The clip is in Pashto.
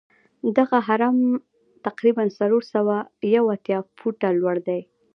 دغه هرم تقریبآ څلور سوه یو اتیا فوټه لوړ دی.